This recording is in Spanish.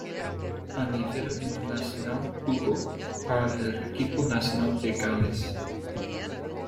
A nivel internacional, jugó para el equipo nacional de Gales.